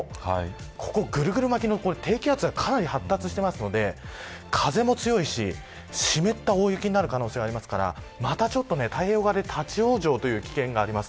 ここ、ぐるぐる巻きの低気圧がかなり発達していますので風も強いし湿った大雪になる可能性がありますからまたちょっと太平洋側で立ち往生という危険性があります